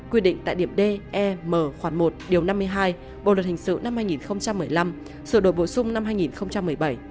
quy định tại điểm d e m khoảng một điều năm mươi hai bộ luật hình sự năm hai nghìn một mươi năm sự đổi bổ sung năm hai nghìn một mươi bảy